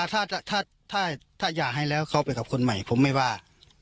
ถ้าอยากให้แล้วเขาไปกับคนใหม่ผมไม่ว่า